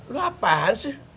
lu apaan sih